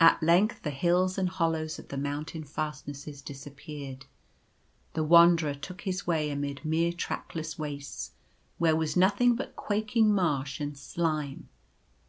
At length the hills and hollows of the mouhtain fastnesses disappeared. The Wanderer took his way amid mere trackless wastes, where was nothing but quaking marsh and slime.